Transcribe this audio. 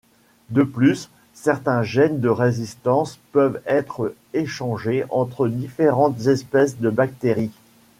De plus, certains gènes de résistances peuvent être échangés entre différentes espèces de bactéries.